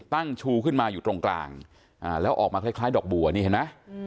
ชูขึ้นมาอยู่ตรงกลางแล้วออกมาคล้ายดอกบัวนี่เห็นไหม